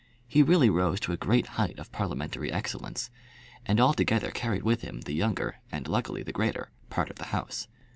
He really rose to a great height of parliamentary excellence, and altogether carried with him the younger, and luckily the greater, part of the House.